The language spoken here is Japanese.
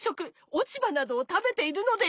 おちばなどをたべているのでやす。